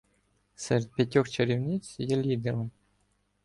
Серед п'ятьох чарівниць є лідером.